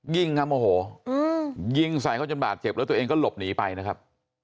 ยิงครับโมโหยิงใส่เขาจนบาดเจ็บแล้วตัวเองก็หลบหนีไปนะครับ